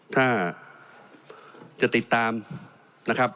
ถ้าจะติดตามนะครับ